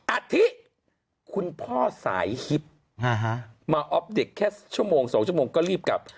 อาทิคุณพ่อสายฮิปมาอ๊อฟเด็กแค่ชั่วโมง๒ชั่วโมงก็รีบกลับ